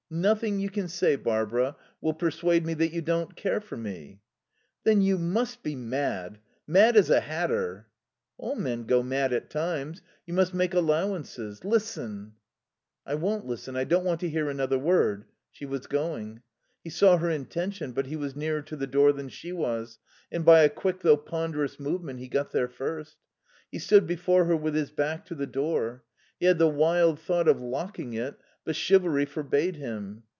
"Nothing you can say, Barbara, will persuade me that you don't care for me." "Then you must be mad. Mad as a hatter." "All men go mad at times. You must make allowances. Listen " "I won't listen. I don't want to hear another word." She was going. He saw her intention; but he was nearer to the door than she was, and by a quick though ponderous movement he got there first. He stood before her with his back to the door. (He had the wild thought of locking it, but chivalry forbade him.)